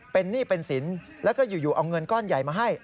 เป็นหนี้เป็นสินแล้วก็อยู่เอาเงินก้อนใหญ่มาให้